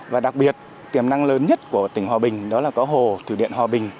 và đặc biệt tiềm năng lớn nhất của tỉnh hòa bình đó là có hồ thủy điện hòa bình